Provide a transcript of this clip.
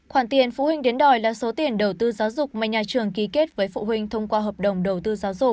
khoản tiền phụ huynh đến đòi là số tiền đầu tư giáo dục mà nhà trường ký kết với phụ huynh thông qua hợp đồng đầu tư giáo dục